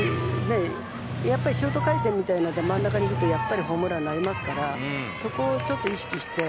シュート回転みたいなのが真ん中にいくとホームランになりますからそこをちょっと、意識して。